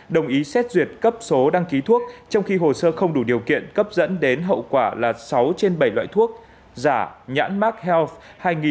đồng ý xét duyệt cấp số đăng ký thuốc trong khi hồ sơ không đủ điều kiện cấp dẫn đến hậu quả là sáu trên bảy loại thuốc giả nhãn mark health hai nghìn